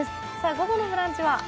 午後の「ブランチ」は？